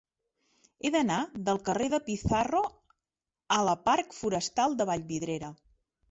He d'anar del carrer de Pizarro a la parc Forestal de Vallvidrera.